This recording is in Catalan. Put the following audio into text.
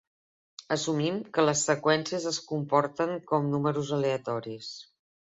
Assumim que les seqüències es comporten com números aleatoris.